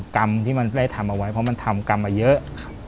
กรรมที่มันได้ทำเอาไว้เพราะมันทำกรรมมาเยอะ